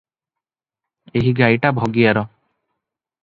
ଏହି ଗାଈଟା ଭଗିଆର ।